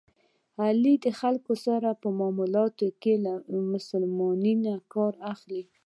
علي د خلکو سره په معاملاتو کې له مسلمانی څخه کار اخلي.